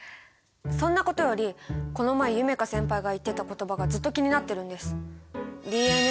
そんなことよりこの前夢叶先輩が言ってた言葉がずっと気になってるんです。